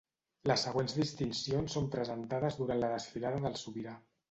Les següents distincions són presentades durant la Desfilada del Sobirà.